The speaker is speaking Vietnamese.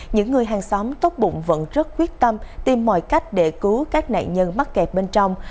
những người hàng xóm tốc bụng vẫn rất quyết tâm tìm mọi cách để cứu các nạn nhân mắc kẹt bên trong